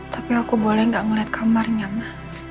tapi aku boleh gak ngeliat kamarnya ma